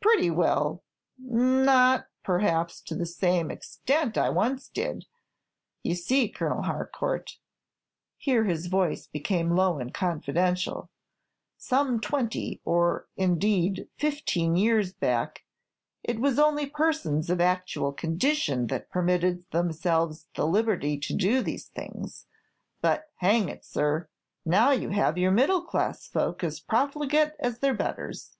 "Pretty well; not, perhaps, to the same extent I once did. You see, Colonel Harcourt," here his voice became low and confidential, "some twenty, or indeed fifteen years back, it was only persons of actual condition that permitted themselves the liberty to do these things; but, hang it, sir! now you have your middle class folk as profligate as their betters.